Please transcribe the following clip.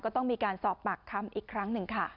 ต้องมีการสอบปากคำอีกครั้งหนึ่งค่ะ